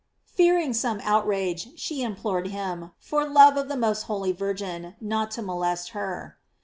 Fearing some outrage, she implored him, for love of the most holy Virgin, not to molest her.